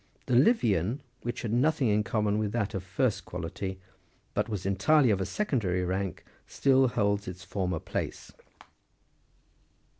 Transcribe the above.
The Livian, which had nothing in common with that of first quality, but was entirely of a secondary rank, still holds its former place..